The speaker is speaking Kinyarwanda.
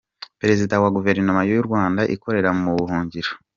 Perezida wa Guverinoma y’u Rwanda ikorera mu buhungiro